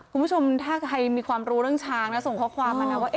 คุณผู้ชมถ้าใครมีความรู้เรื่องช้างนะส่งข้อความมานะว่า